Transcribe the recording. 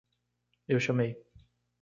Eu chamei.